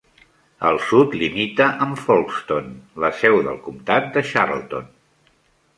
Al sud limita amb Folkston, la seu del comtat de Charlton.